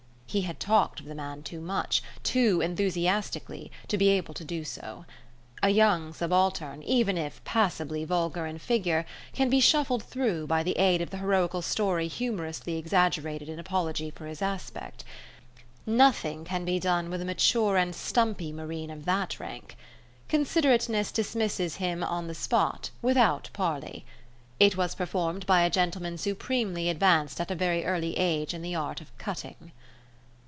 He had talked of the man too much, too enthusiastically, to be able to do so. A young subaltern, even if passably vulgar in figure, can be shuffled through by the aid of the heroical story humourously exaggerated in apology for his aspect. Nothing can be done with a mature and stumpy Marine of that rank. Considerateness dismisses him on the spot, without parley. It was performed by a gentleman supremely advanced at a very early age in the art of cutting.